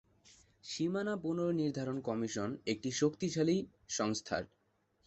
সীমানা পুনর্নির্ধারণ কমিশন একটি শক্তিশালী সংস্থার।